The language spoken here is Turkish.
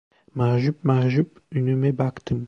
Mahcup mahcup önüme baktım.